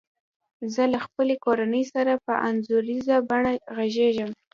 زه له خپلي کورنۍ سره په انځوریزه بڼه غږیږم.